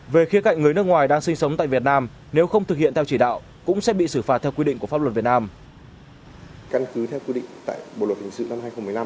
về khía cạnh người nước ngoài đang sinh sống tại việt nam nếu không thực hiện theo chỉ đạo cũng sẽ bị xử phạt theo quy định của pháp luật việt nam